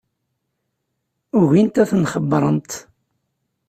Ugint ad ten-xebbrent.